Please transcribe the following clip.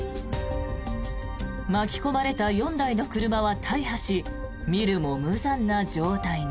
巻き込まれた４台の車は大破し見るも無残な状態に。